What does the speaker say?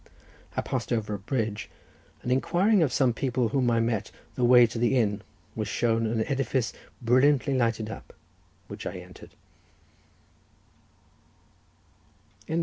I passed over a bridge, and inquiring of some people, whom I met, the way to the inn, was shown an edifice brilliantly lighted up, which I entered.